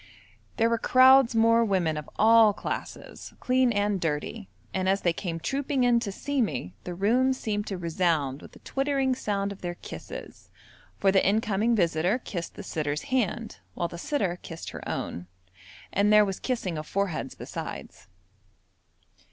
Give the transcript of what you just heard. There were crowds more women of all classes, clean and dirty, and as they came trooping in to see me, the room seemed to resound with the twittering sound of their kisses, for the incoming visitor kissed the sitter's hand, while the sitter kissed her own, and there was kissing of foreheads besides.